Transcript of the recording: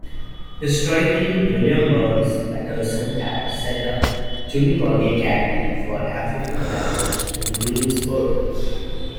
Historically William Burns Paterson had set up Tullibody Academy for African Americans in Greensboro.